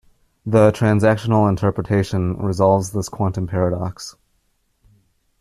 The transactional interpretation resolves this quantum paradox.